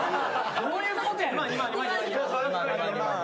どういうことやねん。